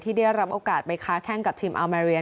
ได้รับโอกาสไปค้าแข้งกับทีมอามาเรีย